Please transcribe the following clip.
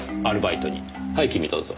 はい君どうぞ。